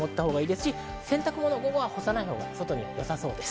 また、洗濯物が午後は干さないほうがよさそうです。